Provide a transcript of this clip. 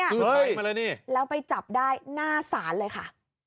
คือใช่มาเลยนี่แล้วไปจับได้หน้าศาลเลยค่ะ